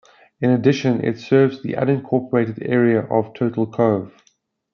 In addition it serves the unincorporated area of Turtle Cove.